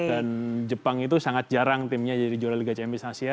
dan jepang itu sangat jarang timnya jadi juara liga champions asia